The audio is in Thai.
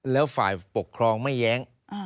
แล้วฝ่ายปกครองไม่แย้ง